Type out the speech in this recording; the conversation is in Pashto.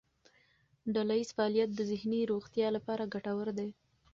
ډلهییز فعالیت د ذهني روغتیا لپاره ګټور دی.